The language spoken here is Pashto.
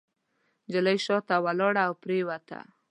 نجلۍ شاته لاړه او پرېوته.